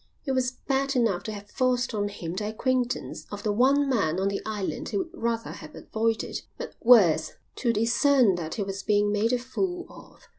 It was bad enough to have forced on him the acquaintance of the one man on the island he would rather have avoided, but worse to discern that he was being made a fool of.